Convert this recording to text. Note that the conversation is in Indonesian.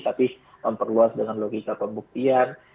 tapi memperluas dengan logika pembuktian